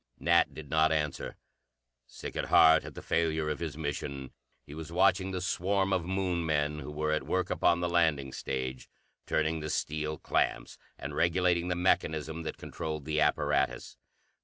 Nat did not answer. Sick at heart at the failure of his mission, he was watching the swarm of Moon men who were at work upon the landing stage, turning the steel clamps and regulating the mechanism that controlled the apparatus.